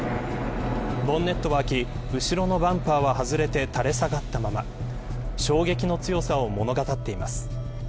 ボンネットは開き後ろのバンパーは外れて垂れ下がったまま衝撃の強さを物語っています。